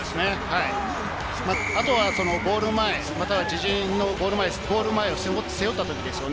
あとはゴール前、または自陣のゴール前を背負った時ですよね。